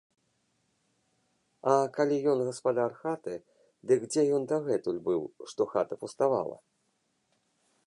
А калі ён гаспадар хаты, дык дзе ён дагэтуль быў, што хата пуставала.